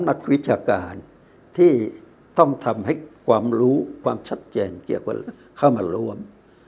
นักวิชาการที่ต้องทำให้ความรู้ความชัดเจนเกี่ยวกับเข้ามาร่วม